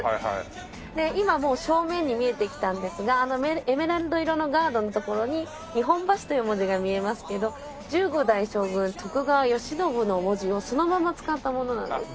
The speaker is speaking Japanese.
今もう正面に見えてきたんですがあのエメラルド色のガードのところに日本橋という文字が見えますけど１５代将軍徳川慶喜の文字をそのまま使ったものなんです。